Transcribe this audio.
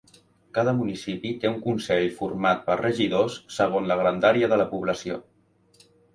Cada municipi té un consell format per regidors segons la grandària de la població.